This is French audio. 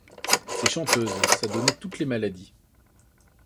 Ces chanteuses, ça donnait toutes les maladies.